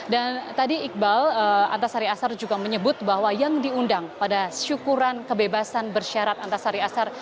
dan tadi iqbal antasari azhar juga menyebut bahwa yang diundang pada syukuran kebebasan bersyarat antasari azhar